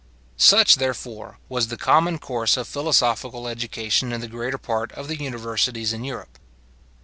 Such, therefore, was the common course of philosophical education in the greater part of the universities in Europe.